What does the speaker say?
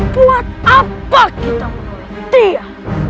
buat apa kita dia